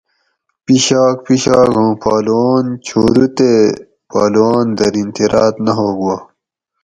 پشاگ پشاگ ہوں پہلوان چھورو تے پہلوان درینتھی راۤت نہ ہوگ واگ